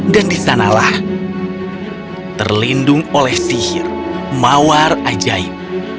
dan disanalah terlindung oleh sihir mawar ajaib